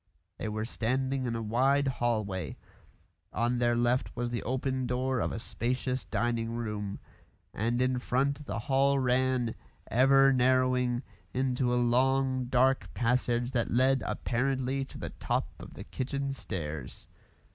They were standing in a wide hall way; on their left was the open door of a spacious dining room, and in front the hall ran, ever narrowing, into a long, dark passage that led apparently to the top of the kitchen stairs.